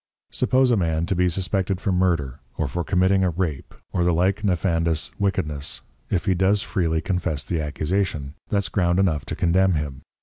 Suppose a Man to be suspected for Murder, or for committing a Rape, or the like nefandous Wickedness, if he does freely confess the Accusation, that's ground enough to Condemn him.